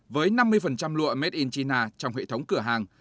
với năm mươi lụa made in china trong hệ thống cửa hàng